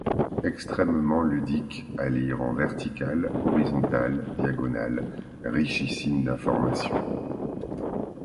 Extrêmement ludique, à lire en vertical, horizontal, diagonal, richissime d'informations.